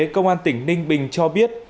công an tỉnh ninh bình cho biết